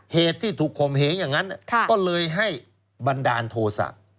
เหตุที่ถูกข่มเหงอย่างนั้นก็เลยให้บันดาลโทษะ